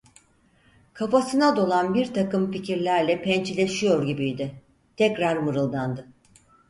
Kafasına dolan birtakım fikirlerle pençeleşiyor gibiydi, tekrar mırıldandı: